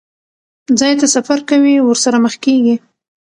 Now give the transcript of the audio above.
ځای ته سفر کوي، ورسره مخ کېږي.